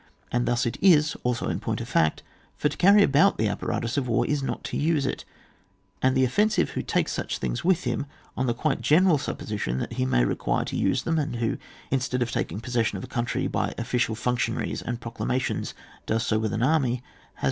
And thus it is also in point of fact ; for to carry about the apparatus of war is not to use it ; and the offensive who take^ such things with him, on the quite general supposition that he may require to use them, and who, instead of taking possession of a coimtry by official func tionaries and proclamations, does so with an army, has.